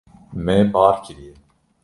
Me bar kiriye.